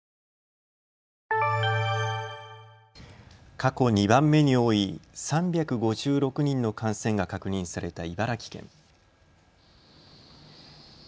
過去２番目に多い３５６人の感染が確認された茨城県。